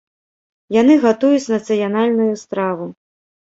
Яны гатуюць нацыянальную страву.